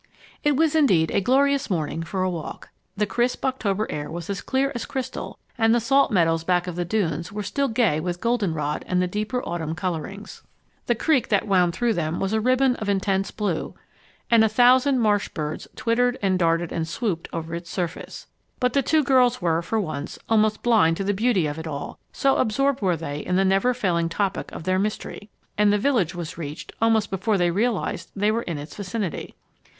It was indeed a glorious morning for a walk. The crisp October air was as clear as crystal and the salt meadows back of the dunes were still gay with goldenrod and the deeper autumn colorings. The creek that wound through them was a ribbon of intense blue, and a thousand marsh birds twittered and darted and swooped over its surface. But the two girls were, for once, almost blind to the beauty of it all, so absorbed were they in the never failing topic of their mystery. And the village was reached almost before they realized they were in its vicinity.